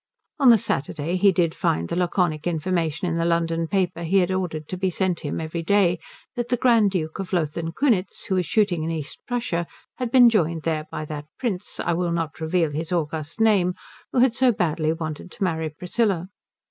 On the Saturday he did find the laconic information in the London paper he had ordered to be sent him every day that the Grand Duke of Lothen Kunitz who was shooting in East Prussia had been joined there by that Prince I will not reveal his august name who had so badly wanted to marry Priscilla.